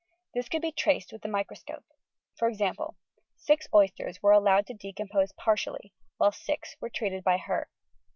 This could be traced with the microscope. For example six oysters were allowed to decompose partially, while six were treated by her.